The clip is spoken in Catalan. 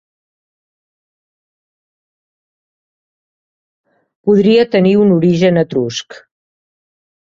Podria tenir un origen etrusc.